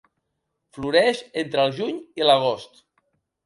Floreix entre el juny i l'agost.